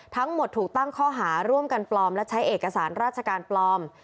ทั้งหมดถูกตั้งข้อหาร่วมกันปลอมและใช้เอกสารราชการปลอม